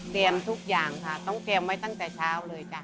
ทุกอย่างค่ะต้องเตรียมไว้ตั้งแต่เช้าเลยจ้ะ